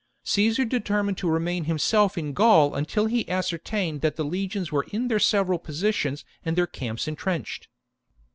^ Caesar determined to remain himself in Gaul until he ascertained that the legions were in their several positions and their camps entrenched.